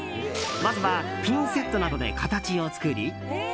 まずはピンセットなどで形を作り。